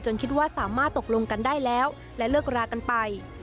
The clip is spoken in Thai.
คิดว่าสามารถตกลงกันได้แล้วและเลิกรากันไป